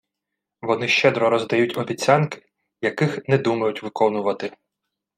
Вони щедро роздають обіцянки, яких не думають виконувати